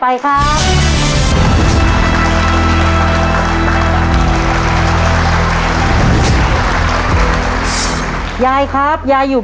ต่อไปอีกหนึ่งข้อเดี๋ยวเราไปฟังเฉลยพร้อมกันนะครับคุณผู้ชม